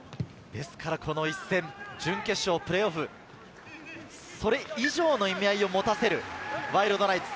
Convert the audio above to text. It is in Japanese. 準決勝プレーオフ、それ以上の意味合いを持たせるワイルドナイツ。